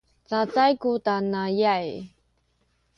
cacay ku tanaya’ay